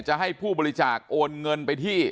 จะให้ผู้บริจาคโอนเงินไปที่